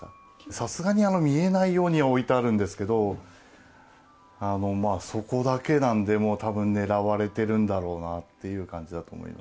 さすがに見えないようには置いてあるんですけど、そこだけなんで、もうたぶん狙われてるんだろうなっていう感じだと思います。